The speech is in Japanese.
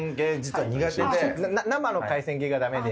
生の海鮮系がダメで。